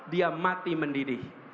dia mati mendidih